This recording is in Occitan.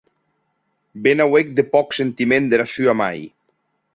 Be n’auec de pòc sentiment dera sua mair!